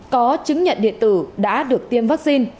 có chứng nhận điện tử đã được tiêm vắc xin